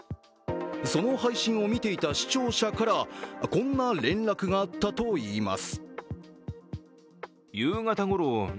その配信を見ていた視聴者から、こんな連絡があったといいます。